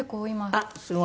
あっすごい。